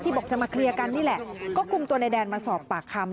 บอกจะมาเคลียร์กันนี่แหละก็คุมตัวในแดนมาสอบปากคำ